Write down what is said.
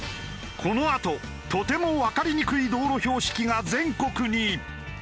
このあととてもわかりにくい道路標識が全国に。